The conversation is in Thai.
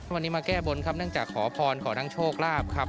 วันนี้มาแก้บนครับเนื่องจากขอพรขอทั้งโชคลาภครับ